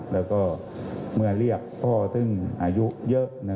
แล้วก็เมื่อเรียกพ่อซึ่งอายุเยอะ